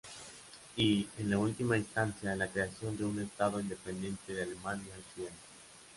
Y, en última instancia, la creación de un estado independiente de Alemania occidental.